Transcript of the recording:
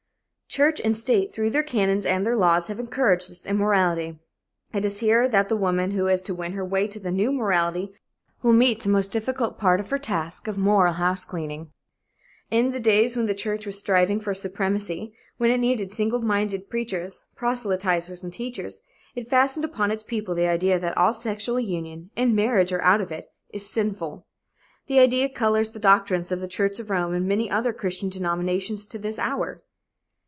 Church and state, through their canons and their laws, have encouraged this immorality. It is here that the woman who is to win her way to the new morality will meet the most difficult part of her task of moral house cleaning. In the days when the church was striving for supremacy, when it needed single minded preachers, proselyters and teachers, it fastened upon its people the idea that all sexual union, in marriage or out of it, is sinful. That idea colors the doctrines of the Church of Rome and many other Christian denominations to this hour.